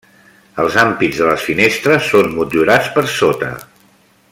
Els ampits de les finestres són motllurats per sota.